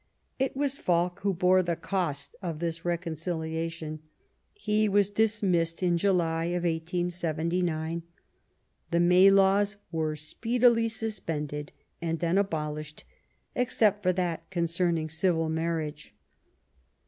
It was Falk who bore the cost of this reconciliation ; he was dismissed in July 1879. The May Laws were speedily sus pended, and then abolished, except for that con cerning civil marriage.